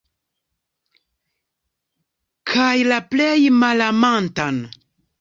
Kaj la plej malamantan.